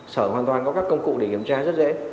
sở hoàn toàn có các công cụ để kiểm tra rất dễ